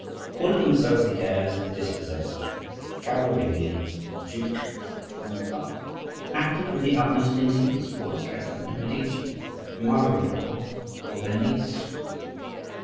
Calling themselves the heirs of the dispossessed Carolovingians, the duke and cardinal acted with the utmost insolence towards Catherine de' Medici, the mother in law of their niece.